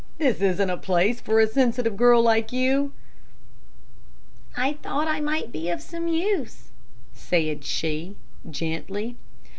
This isn't a place for a sensitive girl like you." "I thought I might be of some use," said she, gently.